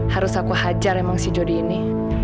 harus aku hajar emang si jodi ini